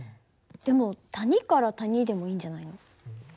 でも谷から谷でもいいんじゃないの？